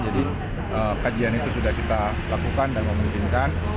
jadi kajian itu sudah kita lakukan dan memungkinkan